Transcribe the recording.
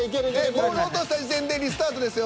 ボール落とした時点でリスタートですよ